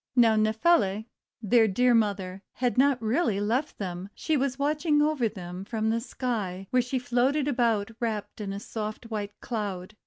Now, Nephele, their dear mother, had not really left them, but was watching over them from the sky, where she floated about wrapped in a soft wiiite Cloud.